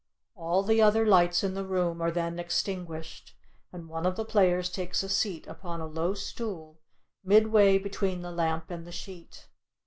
All the other lights in the room are then extinguished, and one of the players takes a seat upon a low stool midway between the lamp and the sheet.